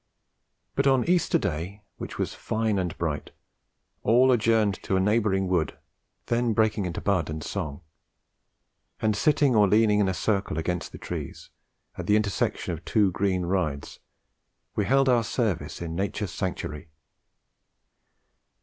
But on Easter Day, which was fine and bright, all adjourned to a neighbouring wood, then breaking into bud and song; and sitting or leaning in a circle against the trees, at the intersection of two green rides, we held our service in Nature's sanctuary.